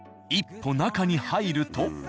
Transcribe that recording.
一歩中に入ると。